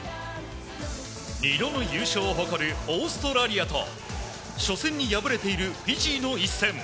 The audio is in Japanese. ２度の優勝を誇るオーストラリアと初戦に敗れているフィジーの一戦。